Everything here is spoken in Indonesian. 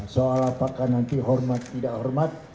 soal apakah nanti hormat tidak hormat